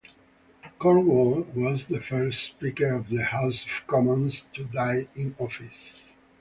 Cornwall was the first Speaker of the House of Commons to die in office.